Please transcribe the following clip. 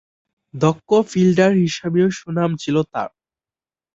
দক্ষ ফিল্ডার হিসেবেও সুনাম ছিল তার।